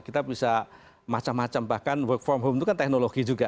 kita bisa macam macam bahkan work from home itu kan teknologi juga